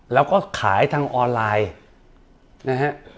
แล้วก็ขายทางออนไลน์นะฮะ